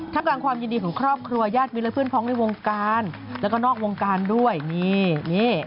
กลางความยินดีของครอบครัวญาติมิตรและเพื่อนพ้องในวงการแล้วก็นอกวงการด้วยนี่นี่